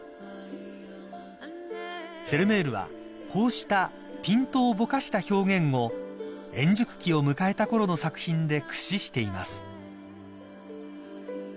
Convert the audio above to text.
［フェルメールはこうしたピントをぼかした表現を円熟期を迎えたころの作品で駆使しています］